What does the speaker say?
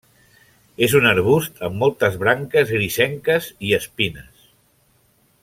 És un arbust amb moltes branques grisenques i espines.